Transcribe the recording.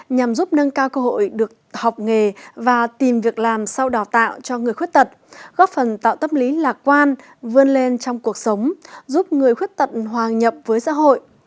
nhằm giúp nâng cao cơ hội được học nghề và tìm việc làm sau đào tạo cho người khuyết tật góp phần tạo tâm lý lạc quan vươn lên trong cuộc sống giúp người khuyết tật hòa nhập với xã hội